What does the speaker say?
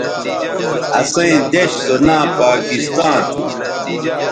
اسئیں دیݜ سو ناں پاکستاں تھو